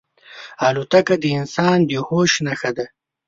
الوتکه د انسان د هوش نښه ده.